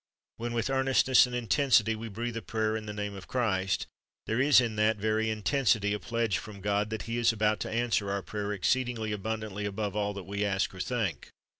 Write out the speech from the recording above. • When with earnestness and intensity we breathe a prayer in the name of Christ, there is in that very intensity a pledge from God that He is about to answer our prayer "exceeding abundantly above all that we ask or think.